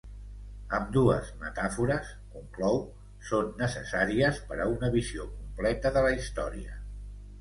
Ambdues metàfores, conclou, són necessàries per a una visió completa de la història.